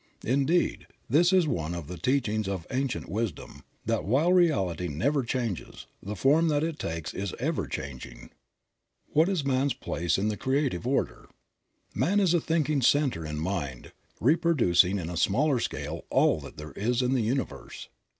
Indeed, this is one of the teachings of Ancient Wisdom, that while reality never changes, the form that it takes is ever changing. What is man's place in the creative order? Man is a thinking center in Mind, reproducing in a smaller scale all there is in the Universe.